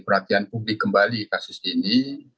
perhatian publik kembali kasus ini